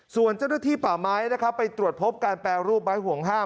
ส่วนเจ้าหน้าที่ป่าไม้นะครับไปตรวจพบการแปรรูปไม้ห่วงห้าม